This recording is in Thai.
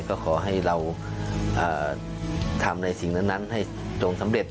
ก็ขอให้เราทำในสิ่งนั้นให้จงสำเร็จ